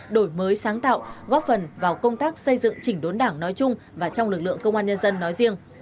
đổi mới sáng tạo góp phần vào công tác xây dựng chỉnh đốn đảng nói chung và trong lực lượng công an nhân dân nói riêng